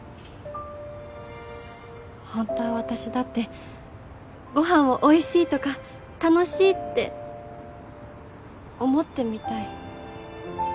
本当は私だってご飯をおいしいとか楽しいって思ってみたい。